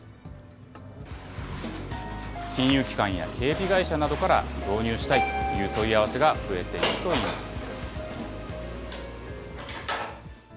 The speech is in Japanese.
金融機関や警備会社などから導入したいという問い合わせが増えているといいます。